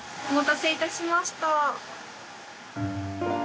お待たせいたしました。